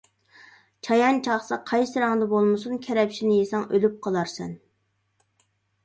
چايان چاقسا قايسى رەڭدە بولمىسۇن، كەرەپشىنى يېسەڭ ئۆلۈپ قالارسەن.